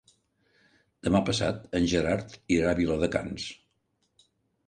Demà passat en Gerard irà a Viladecans.